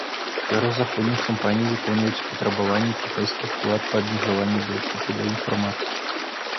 Шэраг заходніх кампаній выконваюць патрабаванні кітайскіх улад па абмежаванні доступу да інфармацыі.